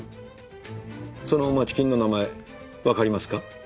その街金の名前わかりますか？